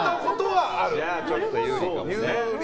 じゃあちょっと有利かもね。